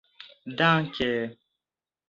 danke